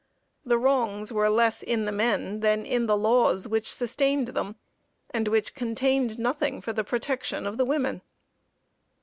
The wrongs were less in the men than in the laws which sustained them, and which contained nothing for the protection of the women.